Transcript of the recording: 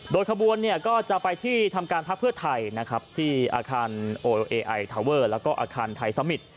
โดยขบวนก็จะไปที่ธรรมการพักเพื่อไทยที่อาคารโอเอไอทาเวิร์ดและอาคารไทยซัมมิต